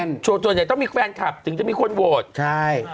ส่วนใหญ่ต้องมีแฟนคลับถึงจะมีคนโหวตใช่